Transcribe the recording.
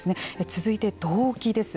続いて動機です。